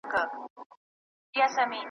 زه د باد په مخ کي شګوفه یمه رژېږمه .